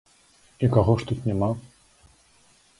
І каго ж тут няма?